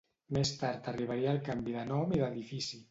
Més tard arribaria el canvi de nom i d'edifici.